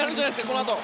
このあと。